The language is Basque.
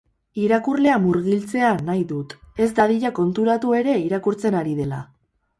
Irakurlea murgiltzea nahi dut, ez dadila konturatu ere irakurtzen ari dela.